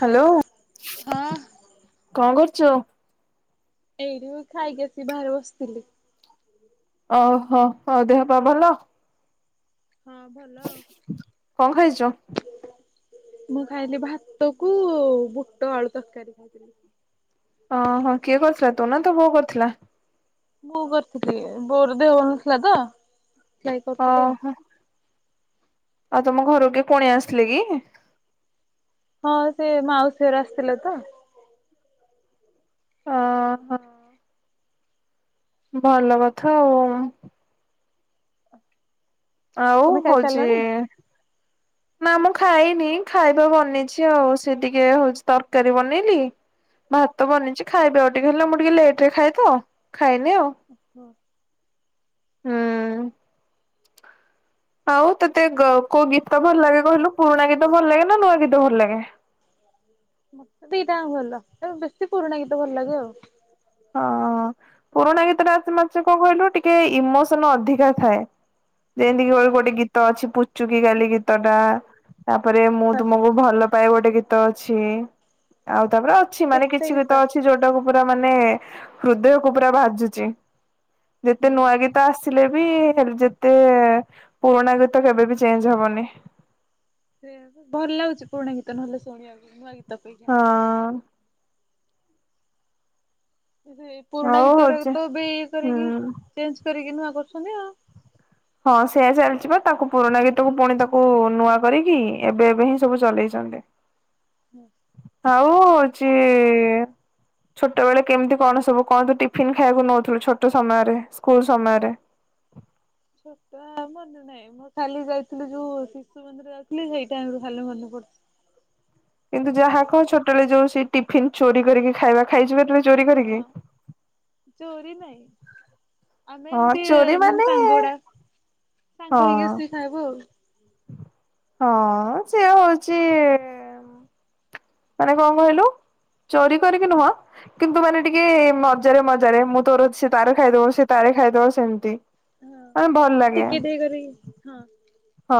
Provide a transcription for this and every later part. Hello ହଁ। କଣ କରୁଚୁ ଏଇ ଯୋଉ ମୁଁ ଖାଇକି ଆସିକି ବାହାରେ ବସିଥିଲି। ଓହୋ ହଉ ଦେହପା ଭଲ? ହଁ ଭଲ ଆଉ। କଣ ଖାଇଛୁ? ମୁଁ ଖାଇଲି ଭାତକୁ ବୁଟ ଆଳୁ ତରକାରୀ ଖାଇଥିଲି ଅଁ ହଁ କିଏ କରିଥିଲା? ତୁ ନା ତ ବୋଉ କରିଥିଲା। ମୁଁ କରିଥିଲି। ବୋଉର ଦେହ ଭଲ ନଥିଲା ତ, ସେ କରୁଥିଲେ ଆଉ। ଓହୋ ଆଉ ତମ ଘର କେ କୁଣି ଆସିଥିଲେ କି? ହଁ ସେ ମାଉଷି ଘର ଆସ୍ଥିଲେ ତ। ଓହୋ ଭଲ କଥା ଆଉ। ଆଉ ତମେ ହଉଛି ଖାଇସାରିଲଣି? [unintelligible] ନା ମୁଁ ଖାଇନି। ଖାଇବା ବନେଇଛି ଆଉ ସେ ଟିକେ ହଉଛି ତରକାରୀ ବନେଇଲି। ଭାତ ବନିଇଛି ଖାଇବି ଆଉ ଟିକେ ହେଲେ ମୁଁ ଟିକେ ଲେଟରେ ଖାଏ ତ, ଖାଇନି ଆଉ। ହ ହୁଁ। ଆଉ ତତେ ଗ କୋଉ ଗୀତ ଭଲ ଲାଗେ କହିଲୁ? ପୁରୁଣା ଗୀତ ଭଲ ଲାଗେ ନା ନୂଆ ଗୀତ ଭଲ ଲାଗେ। ମତେ ଦିଟା ଜାକ ଭଲ ବେଶୀ ପୁରୁଣା ଗୀତ ଭଲ ଲାଗେ ଆଉ ହଁ ପୁରୁଣା ଗୀତ ଟା ମାନେ କଣ କହିଲୁ ଟିକେ ଇମୋସନ ଅଧିକା ଥାଏ ଯେନ୍ତିକି ହଁ ଗୋଟେ ଗୀତ ଅଛି ପୁଚୁକି ଗାଲି ଗୀତଟା ତାପରେ ମୁଁ ତୁମକୁ ଭଲ ପାଇଁ ଗୋଟେ ଗୀତ ଅଛି ଆଉ ତାପରେ ଅଛି ମାନେ କିଛି ଗୀତ ଅଛି ଯୋଉଟାକୁ ପୁରା ମାନେ ହୃଦୟକୁ ପୁରା ଭାଜୁଛି ଯେତେ ହୁଁ ନୂଆ ଗୀତ ଗୀତ ଆସିଲେ ବି ଯେତେ ପୁରୁଣା ଗୀତ କେବେବି ଚେଞ୍ଜ ହବନି ସେଇ ଭଲ୍ ଲାଗୁଛି ପୁରୁଣା ଗୀତ ନହେଲେ ଶୁଣିବାକୁ ନୂଆ ଗୀତ ଅପେକ୍ଷା। ହଁ କିନ୍ତୁ ଏ ପୁରୁଣା ଆଉ ଗୀତ ହଉଛି ଗୁଡାକୁ ଏବେ ଇଏ ହୁଁ କରିକି ଚେଞ୍ଜ କରିକି ନୂଆ କରୁଛନ୍ତି ଆଉ ହଁ ସେଆ ଚାଲିଛି ବା ତାକୁ ପୁରୁଣା ଗୀତକୁ ପୁଣି ତାକୁ ନୂଆ କରିକି ଏବେ ଏବେ ହିଁ ସବୁ ଚଲେଇଛନ୍ତି [unintelligible] [unintelligible] ଆଉ ହଉଛି ଛୋଟବେେଳେ କେମିତି କଣ ସବୁ କଣ ତୁ ଟିଫିନ ଖାଇବାକୁ ନଉଥିଲୁ ଛୋଟ ସମୟରେ ସ୍କୁଲ ସମୟରେ? ସେଟା ମନେ ନାହିଁ। ମୁଁ ଖାଲି ଯାଇଥିଲି ଯୋଉ ଶିଶୁ ମନ୍ଦିର ଯାଉଥିଲି ସେଇ ଟାଇମ ରୁ ଖାଲି ମନେ ପଡୁଥିଲା। କିନ୍ତୁ ଯାହା କହ ଛୋଟବେଳେ ଯୋଉ ସେ ଟିଫିନ ଚୋରି କରିକି ଖାଇବା ଖାଇଛ କେତେବେଳେ ଚୋରି ହଁ କରିକି? ଚୋରି ନାହିଁ। ଆମେ ହଁ ଏମିତି ଚୋରି ମାନେ ସାଙ୍ଗ ଗୁଡା ସାଙ୍ଗ ହେଇକି ହଁ ଆସିକି ଖାଇବୁ ଆଉ। ହଁ ସେଏ ହଉଛି ମାନେ କଣ କହିଲୁ? ଚୋରି କରିକି ନୁହଁ କିନ୍ତୁ ମାନେ ଟିକେ ମଜାରେ ମଜାରେ ମୁଁ ତୋରଛି ତାର ଖାଇଦବ ସେ ତାର ଖାଇଦବ ସେମିତି ହଁ। ମାନେ ଭଲ ଲାଗେ। ଟିକେ ଟିକେ କରିକି ହଁ ହଁ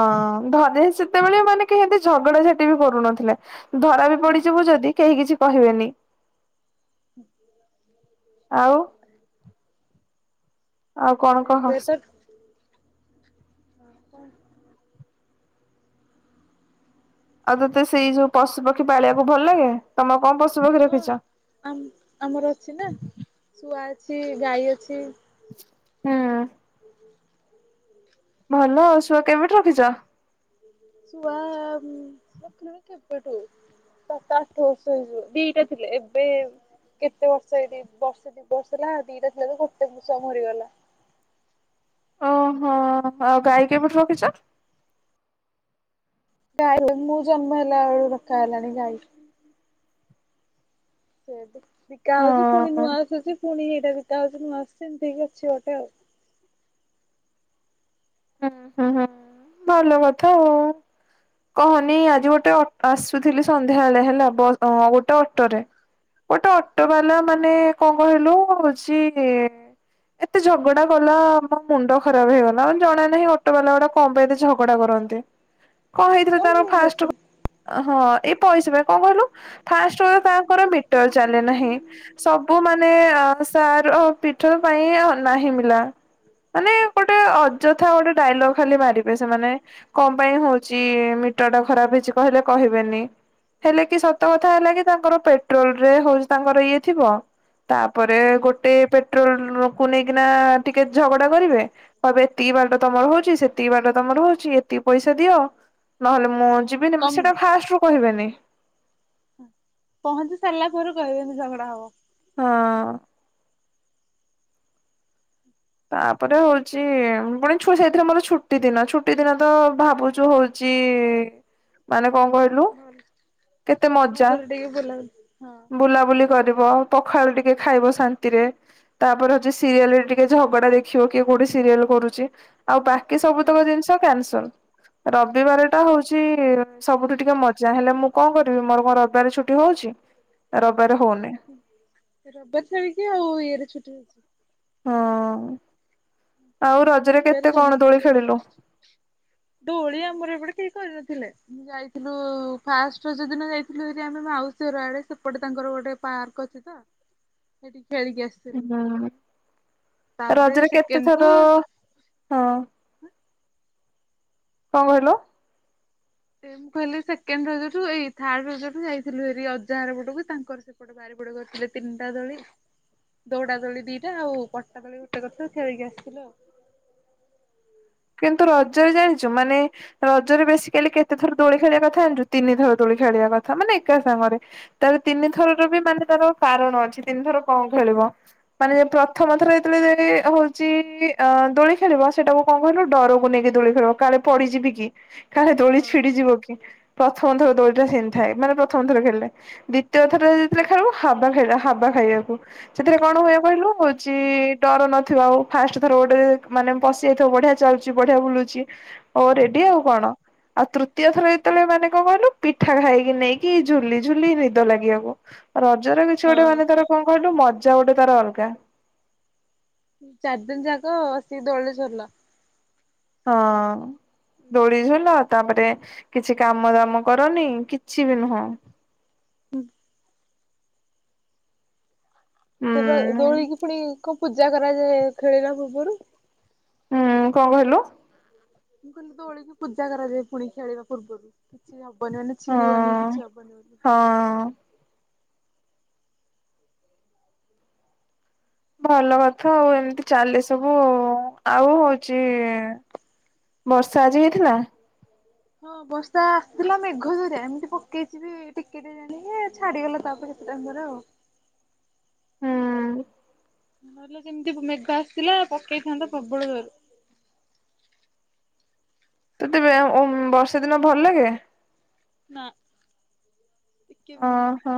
ଘରେ ସେତେବେଳେ ମାନେ କେହି ଏତେ ଝଗଡା ଝାଟି ବି କରୁନଥିଲେ ଧରା ବି ହଁ ପଡିଯିବୁ ଯଦି କେହି କିଛି କହିବେନି। [unintelligible] ଆଉ ଆଉ କଣ କହ? ଏବେ ତ ଆଉ ତୋତେ ସେଇ ଯୋଉ ପଶୁପକ୍ଷୀ ପାଳିବାକୁ ଭଲ ଲାଗେ ତମ କଣ ପଶୁପକ୍ଷୀ ରଖିଛ? ଆ ଆମର ଅଛି ନା ଶୁଆ ଅଛି ଗାଈ ଅଛି। ହଁ। ଭଲ ଆଉ ଶୁଆ କେବେଠୁ ରଖିଛ? ଶୁଆ ରଖିଲୁଣି କେବେଠୁ। ସାତ ଆଠ ବର୍ଷ ହେଇଯିବ ଦିଟା ଥିଲେ ଏବେ କେତେ ବର୍ଷ ଏଇ ବର୍ଷେ ଦୁଇ ବର୍ଷ ହେଲା ଦିଟା ଶୁଆ ଥିଲା ତ ଗୋଟେ ଶୁଆ ମରିଗଲା। ଓହୋ ଆଉ ଗାଈ କେବେଠୁ ରଖିଛ? ଗାଈ ମୁଁ ଜନ୍ମ ହେଲା ଆଳୁ ରଖା ହେଲାଣି ଗାଈ। ସେଠି ବିକା ହଁ ହଉଛି ପୁଣି ନୂଆ ହୁଁ ଆସୁଛି ପୁଣି ଏଇଟା ବିକା ହଉଛି ନୂଆ ଆସୁଛି ଏମିତିି ହେଇକି ଅଛି ଗୋଟେ ଆଉ। ହୁଁ ହୁଁ ହୁଁ ଭଲ କଥା। କହନି ଆଜି ଗୋଟେ ଅଟୋ ଆସୁଥିଲି ସନ୍ଧ୍ୟାବେଳେ ହେଲା ବସ୍ ହଁ ଗୋଟେ ଅଟୋରେ ଗୋଟେ ଅଟୋ ବାଲା ମାନେ କଣ କହିଲୁ ହଉଛି ଏତେ ଝଗଡା କଲା ମୋ ମୁଣ୍ଡ ଖରାପ ହେଇଗଲା ମତେ ଜଣା ନାହିଁ ଅଟୋବାଲା ଗୁଡା କଣ ପାଇଁ ଏତେ ଝଗଡା କରନ୍ତି। କହିଥିଲି କଣ ତାର ପାଇଁ ଫାଷ୍ଟ ବସିଥିଲୁ? ହଁ ଏଇ ପଇସା ପାଇଁ କଣ କହିଲୁ? ଫାଷ୍ଟ ତାଙ୍କର ମିଟର୍ ଚାଲେ ନାହିଁ। ସବୁ ମାନେ ଅ ସାର ପିଠ ପାଇଁ ନାହିଁ ମିଲା ମାନେ ଏଗୋଟେ ଅଯଥା ଗୋଟେ ଡାଇଲଗ ଖାଲି ମାରିବେ ସେମାନେେ କଣ ପାଇଁ ହଉଛି। କିଛି ମିଟର ଟା ଖରାପ ହେଇଛି କହିଲେ କହିବେନି। ହେଲେ କି ସତ କଥା ହେଲା କି ତାଙ୍କର ପେଟ୍ରୋଲ ରେ ହଉଛି ତାଙ୍କର ଇଏ ଥିବ। ତାପରେ ଗୋଟେ ପେଟ୍ରୋଲ କୁ ନେଇକିନା ଟିକେ ଝଗଡା କରିବେ। କବେ ଏତିକି ବାଟ ତମର ହଉଛି ସେତିକି ବାଟ ତମର ହଉଛି ଏତିକି ପଇସା ଦିଅ। ନହେଲେ ମୁଁ ହଁ ଯିବିନି କମ୍ ସେଇଟା ଫାଷ୍ଟ ରୁ କହିବେନି। ହ ପହଞ୍ଚି ସାରିଲା ପରେରୁ କହିବେ ଝଗଡା ହବ। ହଁ। ତାପରେ ହଉଛି ପୁଣି ସେଇଥିରେ ମୋର ଛୁଟି ଦିନ ଛୁଟି ଦିନ ତ ଭାବୁଛୁ ହଉଛି। ମାନେ କଣ କହିଲୁ କେତେ ଭଲ ମଜା। ଭଲରେ ଟିକେ ବୁଲାବୁଲି ହଁ ବୁଲାବୁଲି କରିବ ପଖାଳ ଟିକେ ଖାଇବ ଶାନ୍ତିରେ ତାପରେ ହଉଛି ସିରିଏଲ ଟିକେ ଝଗଡା ଦେଖିବ କିଏ କୋଉଠି ସିରିଏଲ କରୁଛି ଆଉ ବାକି ସବୁତକ ଜିନିଷ କ୍ୟାନସଲ୍‌। ରବିବାର ଟା ହଉଛି, ସବୁଠୁ ଟିକେ ମଜା ହେଲେ ମୁଁ କଣ କରିବି ମୋର କଣ ରବିବାର ଛୁଟି ହଉଛି। ରବାରେ ହଉନି। ରବିବାର ଛାଳିକି ଆଉ ଇଏ ରେ ଛୁଟି ହଇଛି। ହଁ, ଆଉ ରଜରେ ରବିବାର କେତେ କଣ ଦୋଳି ଖେଳିଲୁ? ଡୋ ଓଳିଆ ଆମର ଏପଟେ କେହି କରିନଥିଲେ। ଯାଇଥିଲୁ ଫାଷ୍ଟଯୋଉ ଦିନ ଯାଇଥିଲୁ ଯଦି ଆମେ ମାଉସୀ ଆଡେ ସେପଟେ ତାଙ୍କର ଗୋଟେ ପାର୍କ ଅଛି ତ ସେଠି ଖେଳିକି ଆସିଥିଲୁ। ହୁଁ, ତାପରେ ରଜରେ ସେକେଣ୍ଡ କୁ କେତେଥର- ହଁ। କଣ କହିଲ? ସେ ମୁଁ କହିଲି ସେକେଣ୍ଡ ରଜ ଠୁ ଏଇ ଥାର୍ଡ ରଜ ଠୁ ଯାଇଥିଲୁ ହେରି ଅଜହାର ପଟକୁ ତାଙ୍କର ସେପଟ। ବାରି ପଟେ କରଥିଲେ ତିନଟା ଦୋଳି। ଦୌଡା ଦୋଳି ଦିଟା ଆଉ ପଟା ଦୋଳି ଗୋଟେ କରିଥିଲ ଖେଳିକି ଆସିଥିଲୁ ଆଉ। କିନ୍ତୁ ରଜରେ ଜାଣିଛୁ, ମାନେ ରଜରେ ବେଶିକାଲି କେତେ ଥର ଦୋଳି ଖେଳିବା କଥା ଜାଣିଛୁ, ତିନି ଥର ଦୋଳି ଖେଳିବା କଥା ମାନେ ଏକା ସାଙ୍ଗରେ। ତାର ତିନିଥରର ବି ମାନେ ତାର କାରଣ ଅଛି ତିନି ଥର କଣ ଖେଳିବ। ମାନେ ପ୍ରଥମ ଥର ଯେତେବେଳେ ହଉଛି ଅ ଦୋଳି ଖେଳିବ ସେଇଟାକୁ କଣ କହିଲ ଡରକୁ ନେଇକି ଦୋଳି ଖେଳିବ କାଳେ ପଡିଯିବି କି କାଳେ ଦୋଳି ହଁ ଛିଡିଯିବ କି! ପ୍ରଥମ ଥର ଦୋଳିଟା ସେ ନି ଥାଏ ମାନେ ପ୍ରମଥର ଖେିଲେ। ଦ୍ୱିତୀୟ ଥର ଯେତେଳେ ଖେଳୁଖା ହାବା ଖାଇବା ହାବା ଖାଇବାକୁ। ସେଥିରେ କଣ ହୁଏ କହିଲୁ ହଉଛି ଡର ନଥିବା ଆଉ ଫାଷ୍ଟ ଥର ଗୋଟେ ମାନେ ପଶି ଯାଇଥିବ ବଢିଆ ଚାଲୁଛି ବଢିଆ ବୁଲୁଛି ହଉ ରେଡି ହଁ ଆଉ କଣ। ଆଉ ତୃତୀୟ ଥର ଯେତେବେଳେ ମାନେ କଣ କହିଲୁ ପିଠା ଖାଇକି ନେଇକି ଝୁଲିଝୁଲି ନିଦ ଲାଗିବାକୁ। ରଜରେ କିଛି ଗୋଟେ ମାନେ ହଁ ତାର କଣ କହିଲୁ ମଜା ଗୋଟେ ତାର ଅଲଗା। ଚାରି ଦିନ ଯାକ ଵ ସିକି ଦୋଳିରେ ଝୁଲ। ହଁ। ଦୋଳିଝୁଲ ତାପରେ କିଛି କାମ ଦାମ କରନି କିଛି ବି ନୁହଁ। ହୁଁ [inaudible] ହୁଁ ସେଟା ଦୋଳିକି ପୁଣି କଣ ପୂଜା କରାଯାଏ ଖେଳିଲା ପୂର୍ବରୁ। ହୁଁ କଣ କହିଲୁ? ମୁଁ କହିଲି ଦୋଳିକି ପୂଜା କରାଯାଏ ପୁଣି ଖେଳିବା ପୂର୍ବରୁ, କିଛି ହବ ବନେଇ [unintelligible] ନ ହଁ ଛିଡି ବନେଇକି ବନେଇିବ ବୋଲି ହଁ ଭଲ କଥା ଆଉ ଏମିତି ଚାଲେ ସବୁ ଆଉ ହଉଛି ବର୍ଷା ଆଜି ହେଇଥିଲା? ଆ [inaudible] ହଁ ବର୍ଷା ଆସିଥିଲା ମେଘ ଦୁରି ଏମିତି ପକେଇଛି ବି ଟିକେ ଟେ ଜାଣି ଛାଡିଗଲା ତାପରେ। ଡ଼ାଙ୍ଗର ଆଉ। ହୁଁ। ନ ହେଲେ ଯେମିତି ମେଘା ଆସିଥିଲା ପକେଇଥାନ୍ତା ପ୍ରବଳ ଜୋରେ। ତତେବେ ଓମ୍‌ ବର୍ଷା ଦିନ ଭଲ ଲାଗେ? ନା ଟିକେ ବି ନୁହଁ। ଓହୋ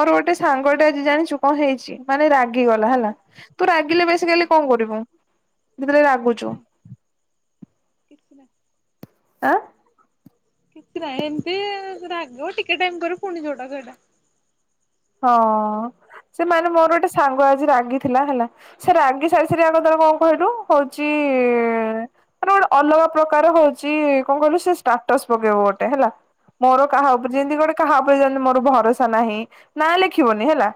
ମୋର ଗୋଟେ ସାଙ୍ଗ ଟେ ଆଜି ଜାଣିଛୁ କଣ ହେଇଛି? ମାନେ ରାଗିଗଲା ହେଲା ତୁ ରାଗିଲେ ବେଶୀ କାଲି କଣ କରିବୁ ସେଥିରେ କିଛି ରାଗୁଛୁ। ନାହିଁ [unintelligible] ଆଁ। କିଛି ନାଁ ହିଁ ଏମିତି ରା ଟିକେ ଟାଇମ ପରେ ପୁଣି ଯୋଟା ସେଟା। ହଁ ସେ ମାନେ ମୋର ଗୋଟେ ସାଙ୍ଗ ଆଜି ରାଗିଥିଲା ହେଲା ସେ ରାଗି ସାରି ଥିରେ ଆଗ ତାର କଣ କହିଲୁ ହଉଛି ମାନେ ଗୋଟେ ଅଲଗା ପ୍ରକାର ହଉଛି କଣ କହିଲୁ ସେ ଷ୍ଟାର୍ଟସ୍ ପକେଇବୁ ଗୋଟେ ହେଲା। ମୋର କାହା ଉପରେ ଯେମିତି ଗୋଟେ କାହା ଉପରେ ଯେମତି ମୋର ଭରସା ନାହିଁ ନା ଲେଖିବନି ହେଲା।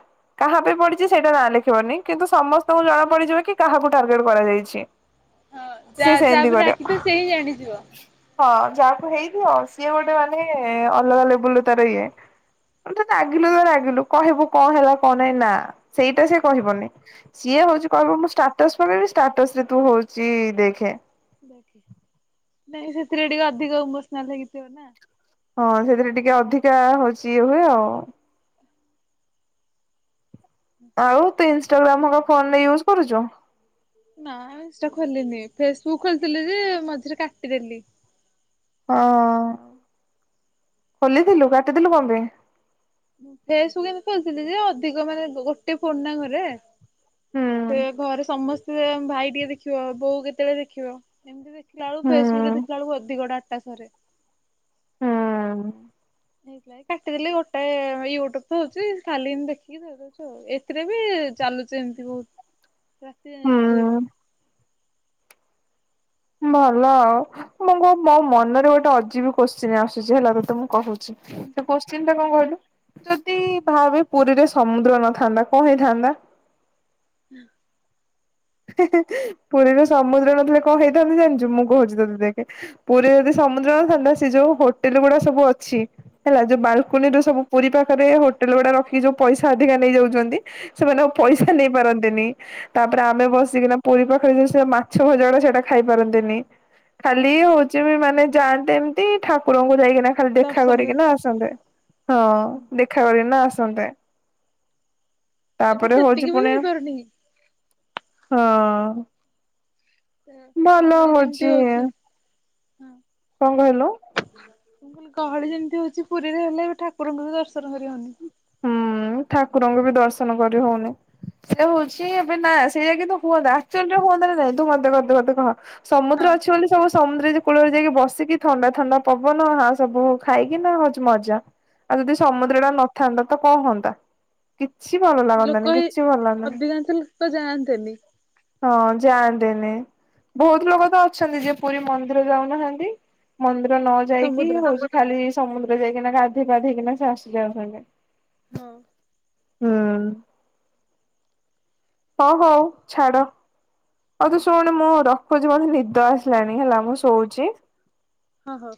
କାହା ପାଇଁ ପଡିଛି ସେଇଟା ନାଁ ଲେଖିବନି। କିନ୍ତୁ ସମସ୍ତଙ୍କୁ ଜଣା ପଡିଯିବ କି କାହାକୁ ଟାର୍ଗେଟ କରାଯାଇଛି। ହଁ ଯା ସିଏ ସେମିତି ଯାହାପରେ କରେ। ରାଗିଥିବ ସେ ହିଁ ଜାଣିଯିବ। ହଁ ଯାହାକୁ ହେଇଦିଅ ସିଏ ଗୋଟେ ମାନେ ଅଲଗା ଲେବୁଲ ତାର ଇଏ। ତୂ ରାଗିଲୁ ତ ରାଗିଲୁ କହିବୁ କଣ ହେଲା କଣ ନାହିଁ ନା ସେଇଟା ସେ କହିବନି। ସିଏ ହଉଛି କହିବ ମୁଁ ଷ୍ଟାଟସ ପକେଇବି ଷ୍ଟାଟସ ରେ ତୁ ହଉଛିି ଦେଖେ। ନାଇଁ ସେଥିରେ ଟିକେ ଅଧିକ ଇମୋସନାଲ ହେଇକି ଥିବ ନା। ହଁ ସେଥିରେ ଟିକେ ଅଧିକା ହଉଛି ଇଏ ହୁଏ ଆଉ। ଆଉ ତୁ ଇନଷ୍ଟାଗ୍ରାମ ହେକା ଫୋନରେ ୟୁଜ୍ କରୁଛୁ? ନା ଇନ୍ଷ୍ଟା ଖୋଲିନି ଫେସବୁକ୍ ଖୋଲିଥିଲି ଯେ ମଝିରେ କାଟିଦେଲି। ହଁ ଖୋଲିଥିଲୁ କାଟିଦେଲୁ କଣ ପାଇଁ? ଫେସବୁକ ଏମତି ଖୋଲିଥିଲି ଯେ ଅଧିକ ମାନେ ଗୋଟେ ଫୋନ୍ ନା ଘରେ। ସେ ହୁଁ ଘରେ ସମସ୍ତେ ଭାଇ ଟିକେ ଦେଖିବ ବୋଉ କେତେବେଳେ ଦେଖିବ। ଏମିତି ଦେଖିଲାବେଳକୁ ଫେସବୁକରେ ହୁଁ ଦେଖିଲାବେଳକୁ ଅଧିକ ଡାଟା ସରେ। ହଁ। ହେଇ ଲାଇକ କାଟିଦେଲି ଗୋଟେ ୟୁଟ୍ୟୁବ ତ ହଉଛି ଖାଲି ଦେଖିକି ଶୋଇପଡୁଛି ଆଉ। ଏଥିରେ ବି ଚାଲୁଛି ଏମିତି ବହୁ ରାତି ଯାଏ ଯାଉଛି ଭାରି। ହୁଁ ଭଲ ଆଉ ମୁଁ କ ମୋ ମନରେ ଗୋଟେ ଅଜୀବ କୋଶ୍ଚିନ୍ ଆସୁଛି ହେଲା ତତେ ମୁଁ କହୁଛି। ସେ କୋତ୍ସିନ ଟା କଣ କହିଲୁ? ଯଦି ଭାବେ ପୁରୀରେ ସମୁଦ୍ର ନଥାନ୍ତା କଣ ହେଇଥାନ୍ତା? [inaudible] ପୁରୀରୁ ସମୁଦ୍ର ନଥିଲେ କଣ ହେଇଥାନ୍ତ ଜାଣିଛୁ। ମୁଁ କହୁଛି ତତେ ଦେଖ। ପୁରୀ ଯଦି ସମୁଦ୍ର ଥଣ୍ଡା ସେ ଯୋଉ ହୋଟେଲ ଗୁଡା ସବୁ ଅଛି। ହେଲା ଯୋଉ ବାଲକୁନି ର ସବୁ ପୁରୀ ପାଖରେ ହୋଟେଲ ଗୁଡା ରଖି ଯଉ ପଇସା ଅଧିକା ନେଇଯାଉଛନ୍ତି। ସେମାନେ ଆଉ ହଁ ପଇସା ହଁ। ନେଇ ପାରନ୍ତିନି ତାପରେ ଆ ଆମେ ବସିକିନା ପୁରୀ ପାଖରେ ମାଛ ଭଜା ଗୁଡା ସେଇଟା ଖାଇ ପାରନ୍ତିନି। ଖାଲି ହଁ ହଉଛି ବି ମାନେ ଯାଆନ୍ତେ ଏମିତି ଠାକୁରଙ୍କୁ ଯାଇକିନା ଖାଲି ଦେଖା ଦର୍ଶନ କରି କରିକିନା ଆସ ହଁ ଦେଖା କରିକିନା ଆସନ୍ତେ। ଏବେ ତାପରେ ସେତିକି ହଉଛି ପୁଣି [unintelligible] ହଁ। ତ ଗହଳି ଯେମିତି ହଉଛି ହଁ। କଣ କହିଲ? ମୁଁ କହିଲି ଗହଳି ଯେମିତି ହଉଛି ପୁରୀରେ ହେଲେ ଏବେ ଠାକୁରଙ୍କୁ ବି ଦର୍ଶନ କରିହଉନି। ହୁଁ ଠାକୁରଙ୍କୁ ବି ଦର୍ଶନ କରି ହଉନି। ସେ ହଉଛି ଏବେ ନା ସେଇ ଯାଇକି ତୁ ହୁଅନ୍ତା ଆକ୍ଚୁଆଲିରେ ହୁଅନ୍ତା ନା ନାହିଁ ତୁ ମୋତେ ଗୋଟେ କଥା କହ। ହଁ। ସମୁଦ୍ର ଅଛି ବୋଲି ସମ ସମୁଦ୍ର ଯେ କୂଳରେ ଯାଇକି ବସିକି ଥଣ୍ଡା ଥଣ୍ଡା ପବନ ହା ସବୁ ଖାଇକି ନା ହଉଛି ମଜା ଆଉ ଯଦି ହଁ ସମୁଦ୍ରଟା ନଥାନ୍ତା ତ କଣ ହୁଅନ୍ତା? କିଛି ଭଲ ଲାଗନ୍ତାନି ଲୋକ ହିଁ କିଛି ଭଲ ଲାଗନ୍ତାନି। ଅଧିକାଂଶ ଲୋକ ଯାଆନ୍ତେନି ହଁ ଯାଆନ୍ତେନି। ବହୁତ ଲୋକ ତ ଅଛନ୍ତି ଯିଏ ପୁରୀ ମନ୍ଦିର ଯାଉନାହାନ୍ତି ମନ୍ଦିର ନ ଯାଇକି ସମୁଦ୍ର। ହଉଚି ଖାଲି ସମୁଦ୍ର ଯାଇକିନା ଗାଧେଇ ପାଧେଇକିନା ସେ [unintelligible] ହଁ। ହୁଁ। ହଁ ହଉ ଛାଡ଼। ହଉ ତୁ ଶୁଣୁ ମୁଁ ରଖୁଚି ମୋତେ ନିଦ ଆସିଲାଣି ହେଲା ମୁଁ ଶୋଉଚି। ହଁ-ହଁ।